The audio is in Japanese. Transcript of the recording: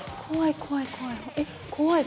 怖い怖い怖い。